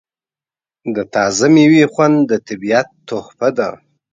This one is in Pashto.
د تازه میوې خوند د طبیعت تحفه ده.